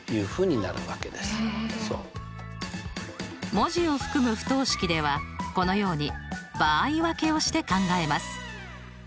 文字を含む不等式ではこのように場合分けをして考えます。